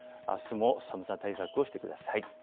あすも寒さ対策をしてください。